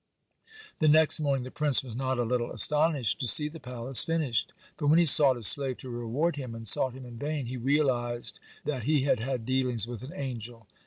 The next morning the prince was not a little astonished to see the palace finished. But when he sought his slave to reward him, and sought him in vain, he realized that he had had dealings with an angel.